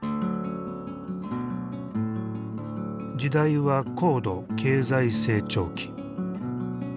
時代は高度経済成長期。